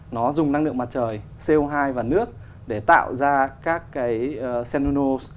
năng lượng mặt trời co hai và nước để tạo ra các cái xenonol